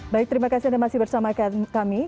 baik terima kasih anda masih bersama kami